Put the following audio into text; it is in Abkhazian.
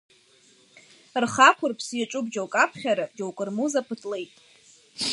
Рхақәырԥс иаҿуп џьоук аԥхьара, џьоук рмуза ԥытлеит.